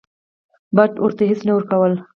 بت ورته هیڅ نه ورکول.